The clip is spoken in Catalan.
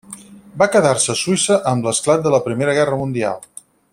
Va quedar-se a Suïssa amb l'esclat de la Primera Guerra Mundial.